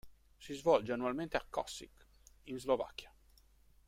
Si svolge annualmente a Košice, in Slovacchia.